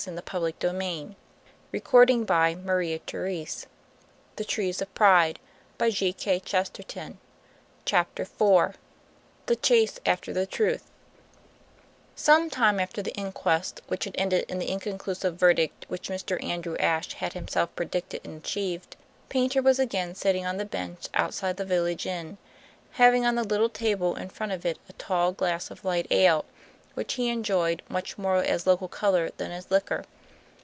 Treherne shrugged his shoulders, sprawling on the ale bench, and played with his empty pot. IV. THE CHASE AFTER THE TRUTH Some time after the inquest, which had ended in the inconclusive verdict which Mr. Andrew Ashe had himself predicted and achieved, Paynter was again sitting on the bench outside the village inn, having on the little table in front of it a tall glass of light ale, which he enjoyed much more as local color than as liquor.